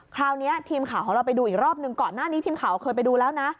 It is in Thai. คราวนี้ทีมข่าวของเราไปดูอีกรอบนึงก่อนหน้านี้ทีมข่าวเคยไปดูแล้วนะ